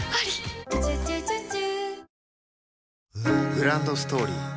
グランドストーリー